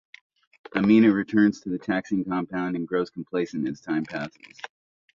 Amina returns to the taxing compound and grows complacent as time passes.